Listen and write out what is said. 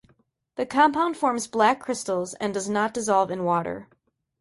The compound forms black crystals and does not dissolve in water.